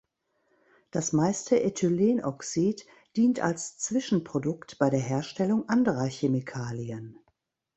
Das meiste Ethylenoxid dient als Zwischenprodukt bei der Herstellung anderer Chemikalien.